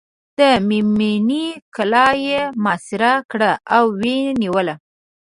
د مېمنې کلا یې محاصره کړه او ویې نیوله.